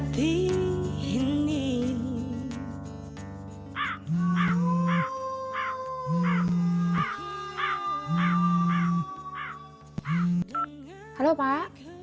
terima kasih pak